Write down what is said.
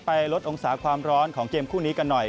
ลดองศาความร้อนของเกมคู่นี้กันหน่อย